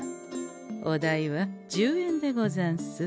お代は１０円でござんす。